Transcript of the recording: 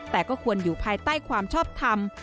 แต่ก็ควรอยู่ภายใต้ความชอบทำ